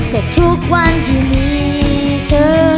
แต่ทุกวันที่มีเธอ